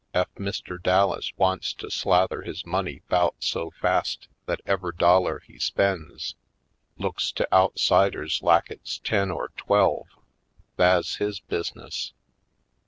Ef Mr. Dallas wants to slather his money 'bout so fast that ever' dollar he spends looks to outsiders lak it's ten or twelve, tha's his bus'ness.